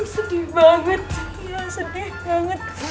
sedih banget ya sedih banget